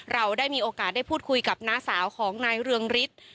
เราได้มีโอกาสได้พูดคุยกับน้าสาวของนายเรืองฤทธิ์